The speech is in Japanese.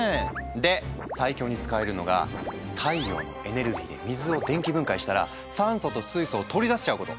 で最強に使えるのが太陽のエネルギーで水を電気分解したら酸素と水素を取り出せちゃうこと。